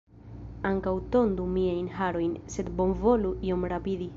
Ankaŭ tondu miajn harojn, sed bonvolu iom rapidi.